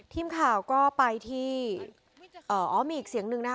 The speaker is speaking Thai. ทีมข่าวก็ไปที่อ๋อมีอีกเสียงหนึ่งนะคะ